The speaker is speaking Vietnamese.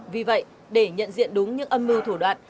vì vậy để nhận diện đúng những âm mưu thủ đoạn